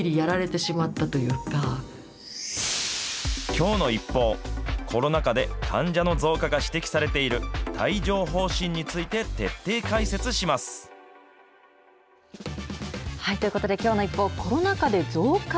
きょうのＩＰＰＯＵ、コロナ禍で、患者の増加が指摘されている帯状ほう疹について、徹底解説します。ということできょうのＩＰＰＯＵ、コロナ禍で増加？